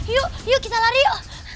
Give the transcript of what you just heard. yuk yuk kita lari oh